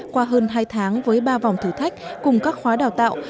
qua hơn hai tháng với ba vòng thử thách cùng các khóa đào tạo